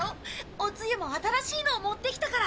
おつゆも新しいのを持ってきたから。